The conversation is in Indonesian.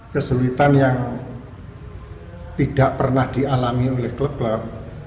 kesulitan yang tidak pernah dialami oleh klub klub